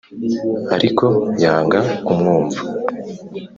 Ariko yanga kumwumva.